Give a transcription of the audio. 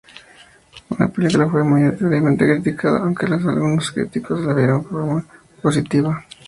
La película fue mayoritariamente criticada, aunque algunos críticos la vieron en forma positiva.